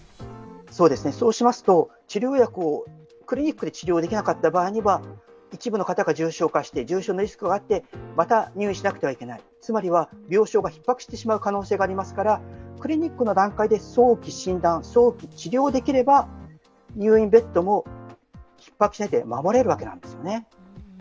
そうしますと治療薬を、クリニックで治療できなかった場合には一部の方が重症化して、重症のリスクがあってまた入院しなくてはいけない、つまりは病床がひっ迫してしまう可能性がありますから、クリニックの段階で早期診断、早期治療できれば入院ベッドもひっ迫しないで守れるわけなんですね。